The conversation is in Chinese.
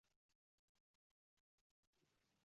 不再独自徬惶